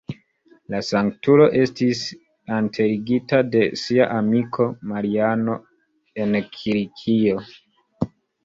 La sanktulo estis enterigita de sia amiko, Mariano, en Kilikio.